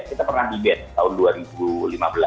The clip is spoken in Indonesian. kita pernah di bed tahun dua ribu lima belas